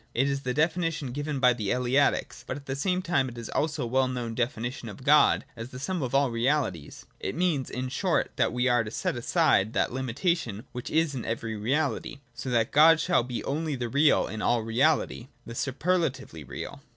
It is the defi nition given bj' the Eleatics, but at the same time is also 86.] QUALITY— BEING. 159 the well known definition of God as the sum of all reali ties. It means, in short, that we are to set aside that limitation which is in every reality, so that God shall be only the real in all reality, the superlatively real.